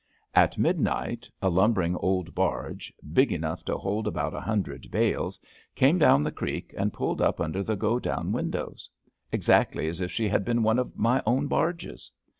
At midnight a lumbering old barge, big enough to hold about a hundred bales, came down the creek and pulled up under the godown win dows, exactly as if she had been one of my own barges.